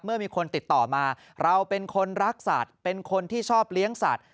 เมื่อมีคนติดต่อมาเราเป็นคนรักสัตว์เป็นคนที่ชอบเลี้ยงสัตว